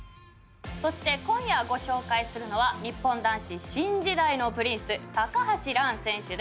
そして今夜ご紹介するのは日本男子新時代のプリンス橋藍選手です。